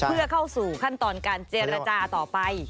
เพื่อเข้าสู่ขั้นตอนการเจรจาต่อไป